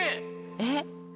えっ？